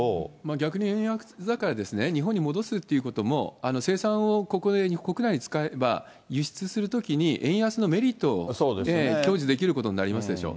逆に円安だから、日本に戻すということも生産を国内で使えば、輸出するときに円安のメリットを享受できることになりますでしょ。